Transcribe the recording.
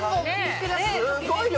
すごい量。